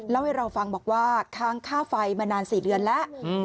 ให้เราฟังบอกว่าค้างค่าไฟมานาน๔เดือนแล้ว